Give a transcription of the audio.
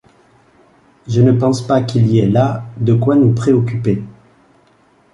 Je ne pense pas qu’il y ait là de quoi nous préoccuper!